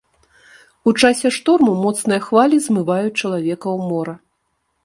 У часе шторму моцныя хвалі змываюць чалавека ў мора.